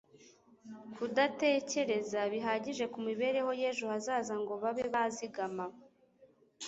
kudatekereza bihagije ku mibereho y'ejo hazaza ngo babe bazigama